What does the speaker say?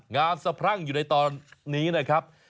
สะพรั่งอยู่ในตอนนี้นะครับ